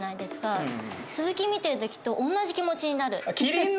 鈴木見てる時と同じ気持ちになる。